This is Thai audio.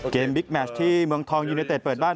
บิ๊กแมชที่เมืองทองยูเนเต็ดเปิดบ้าน